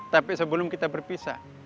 tapi sebelum kita berpisah